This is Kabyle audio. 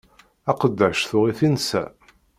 Aqeddac tuɣ-it insa.